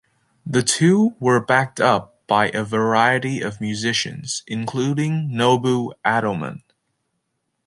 The two were backed up by a variety of musicians, including Nobu Adilman.